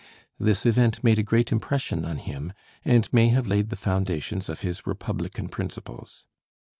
This event made a great impression on him, and may have laid the foundations of his republican principles.